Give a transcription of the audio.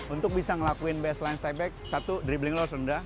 untuk bisa ngelakuin baseline step back satu dribbling lo harus rendah